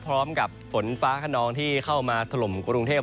พร้อมกับฝนฟ้าขนองที่เข้ามาทะลมกรุงเทพฯ